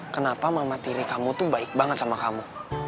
kenapa mama tiri kamu tuh baik banget sama kamu